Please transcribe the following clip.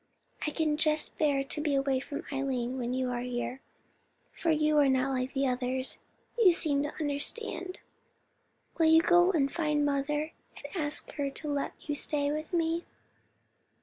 I can just bear to be away from Eileen when you are here, for you are not like others; you seem to understand. Will you go and find mother, and ask her to let you stay with me?"